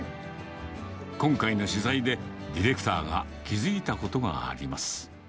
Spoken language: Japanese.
今回の取材で、ディレクターが気付いたことがあります。